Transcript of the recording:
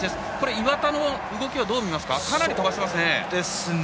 岩田の動き、どう見ますかかなり飛ばしていますね。